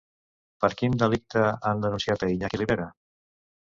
Per quin delicte han denunciat a Iñaki Rivera?